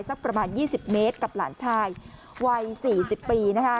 สักประมาณยี่สิบเมตรกับหลานชายวัยสี่สิบปีนะคะ